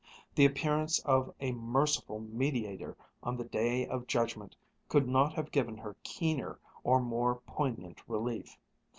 The appearance of a merciful mediator on the Day of Judgment could not have given her keener or more poignant relief.